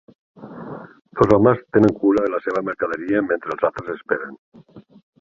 Dos homes tenen cura de la seva mercaderia mentre els altres esperen.